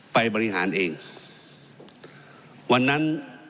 ไปบริหารเองวันนั้น